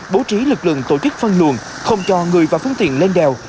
bố trí lực lượng tổ chức phân luồn không cho người và phương tiện lên đèo